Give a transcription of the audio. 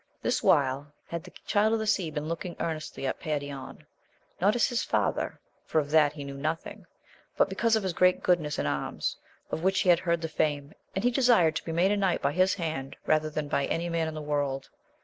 This while had the Child of the Sea been looking earnestly at Perion, not as his father, for of that he knew nothing, but because of his great goodness in arms, of which he had heard the fame ; and he desired to be made a knight by his hand, rather than by any man in the world.